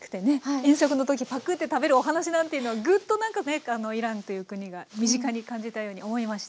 遠足の時パクッて食べるお話なんていうのはぐっとなんかねイランという国が身近に感じたように思いました。